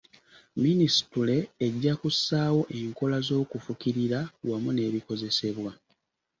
Minisitule ejja kussaawo enkola z'okufukirira wamu n'ebikozesebwa.